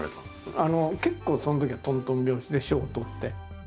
結構そのときはとんとん拍子で賞をとって。